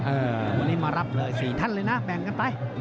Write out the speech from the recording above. วันนี้มารับเลย๔ท่านเลยนะแบ่งกันไป